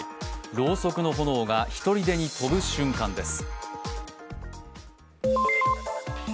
ろうそくの炎がひとりでに飛ぶ瞬間です。